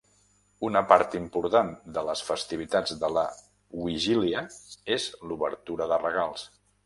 Una part important de les festivitats de la Wigilia és l'obertura de regals.